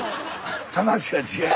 話が違う！